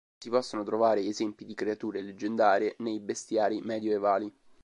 Si possono trovare esempi di creature leggendarie nei bestiari medioevali.